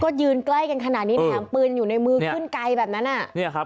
ก็ยืนใกล้กันขนาดนี้นะครับปืนอยู่ในมือขึ้นไกลแบบนั้นอะ